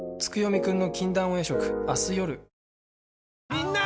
みんな！